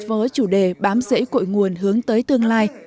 với chủ đề bám dễ cội nguồn hướng tới tương lai